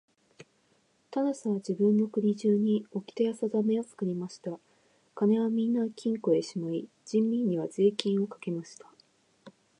タラスは自分の国中におきてやさだめを作りました。金はみんな金庫へしまい、人民には税金をかけました。